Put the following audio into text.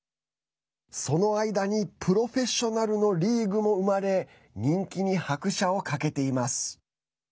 その間に、プロフェッショナルのリーグも生まれ人気に拍車をかけています。